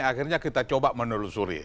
akhirnya kita coba menelusuri